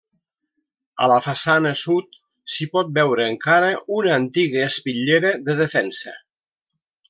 A la façana sud s'hi pot veure encara una antiga espitllera de defensa.